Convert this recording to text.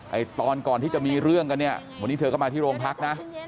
ตอนก่อนที่จะมีเรื่องกันเนี่ยวันนี้เธอก็มาที่โรงพักนะ